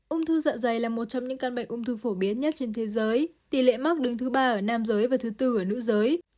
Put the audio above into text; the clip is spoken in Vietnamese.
ung thư dạ dày là một trong những căn bệnh ung thư phổ biến nhất trên thế giới tỷ lệ mắc đứng thứ ba ở nam giới và thứ tư ở nữ giới